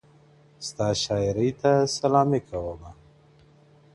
ستا شاعرۍ ته سلامي كومه.